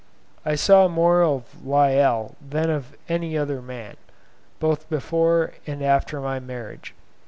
I saw more of Lyell than of any other man, both before and after my marriage.